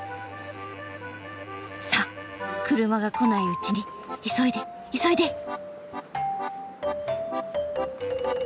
さあ車が来ないうちに急いで急いで。